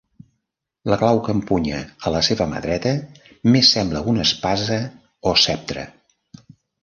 La clau que empunya a la seva mà dreta més sembla una espasa o ceptre.